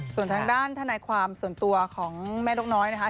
ส่วนทางด้านทนายความส่วนตัวของแม่นกน้อยนะคะ